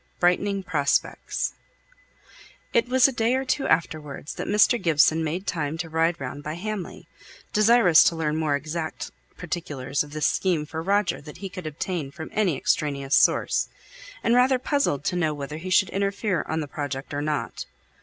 BRIGHTENING PROSPECTS. [Illustration (untitled)] It was a day or two afterwards, that Mr. Gibson made time to ride round by Hamley, desirous to learn more exact particulars of this scheme for Roger than he could obtain from any extraneous source, and rather puzzled to know whether he should interfere in the project or not.